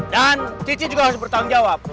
dan cici juga harus bertanggung jawab